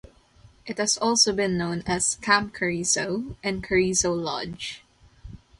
It has also been known as Camp Carrizo and Carrizo Lodge.